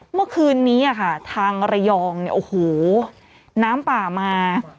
เมื่อคืนนี้ค่ะทางระยองเนี่ยโอ้โหน้ำป่ามา